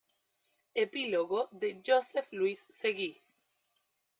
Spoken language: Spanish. Epílogo de Josep Lluís Seguí.